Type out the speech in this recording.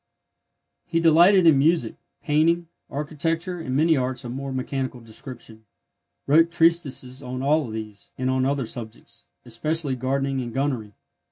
He delighted in music, painting, architecture, and many arts of a more mechanical description; wrote treatises on all these, and on other subjects, especially gardening and gunnery.